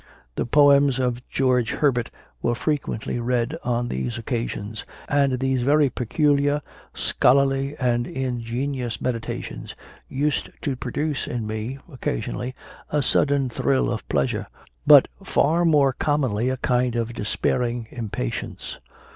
The poems of George Herbert were frequently read on these occasions, and these very peculiar, scholarly, and ingenious meditations used to produce in me, occasionally, a sudden thrill of pleasure, but far more commonly a kind of despairing impatience.